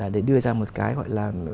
để đưa ra một cái gọi là